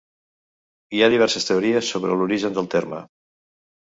Hi ha diverses teories sobre l'origen del terme.